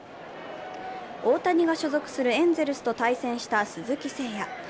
大谷が所属するエンゼルスと対戦した鈴木誠也。